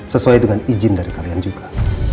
sesuai dengan izin dari kalian juga